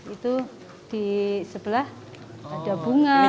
itu di sebelah ada bunga